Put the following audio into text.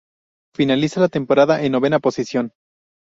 Finaliza la temporada en novena posición.